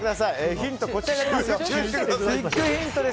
ヒント、こちらになります。